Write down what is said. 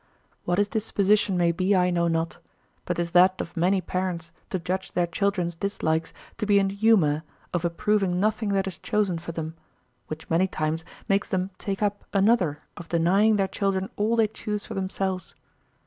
What his disposition may be I know not; but 'tis that of many parents to judge their children's dislikes to be an humour of approving nothing that is chosen for them, which many times makes them take up another of denying their children all they choose for themselves.